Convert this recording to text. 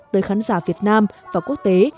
tới khán giả việt nam và quốc tế